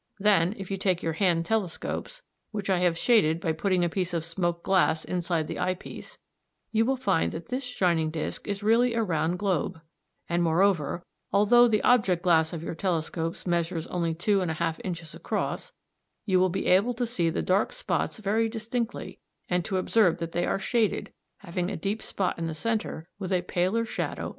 Then if you take your hand telescopes, which I have shaded by putting a piece of smoked glass inside the eye piece, you will find that this shining disc is really a round globe, and moreover, although the object glass of your telescopes measures only two and a half inches across, you will be able to see the dark spots very distinctly and to observe that they are shaded, having a deep spot in the centre with a paler shadow round it.